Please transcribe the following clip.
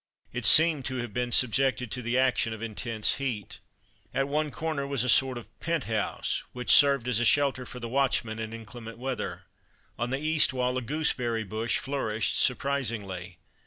It seemed to have been subjected to the action of intense heat. At one corner was a sort of pent house which served as a shelter for the watchman in inclement weather. On the east wall a gooseberry bush flourished surprisingly.